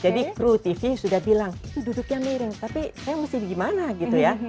jadi kru tv sudah bilang itu duduknya miring tapi saya mesti gimana gitu ya